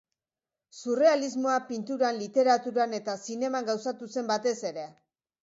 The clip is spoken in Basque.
Surrealismoa pinturan, literaturan eta zineman gauzatu zen batez ere.